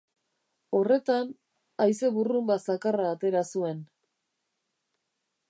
Horretan, haize burrunba zakarra atera zuen.